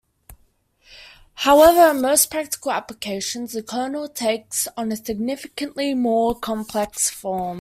However, in most practical applications the kernel takes on a significantly more complex form.